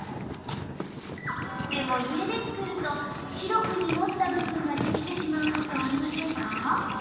でも家で作ると白く濁った部分ができてしまうことありませんか？